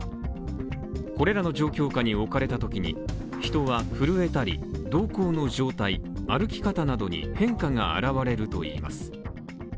これらの状況下に置かれたときに人は震えたり、瞳孔の状態、歩き方などに変化が現れるといいます。